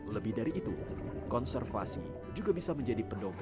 lebih dari itu konservasi juga bisa menjadi pendokteran